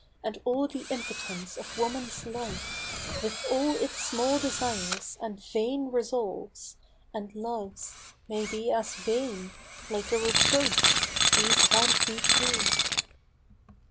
And all the impotence of woman's life, With all its small desires, and vain resolves. And loves (may be as vain !) like a reproach These haunt me too